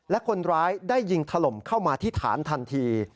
และคนร้ายได้ยิงถล่มเข้ามาที่ฐานทันที